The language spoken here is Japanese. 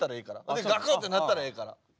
でガクッてなったらええから。